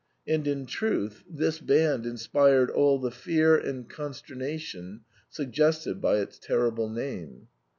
And in truth this band inspired all the fear and consternation suggested by its terrible name.